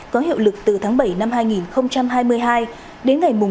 có hiệu lực từ tháng bảy năm hai nghìn hai mươi hai đến ngày một tháng năm